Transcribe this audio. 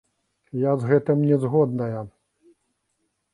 Я з гэтым не згодная.